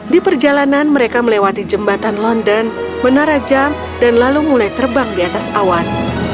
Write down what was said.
di perjalanan mereka melewati jembatan london menara jam dan lalu mulai terbang di atas awan